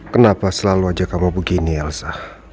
kenapa selalu ajak kamu begini elsa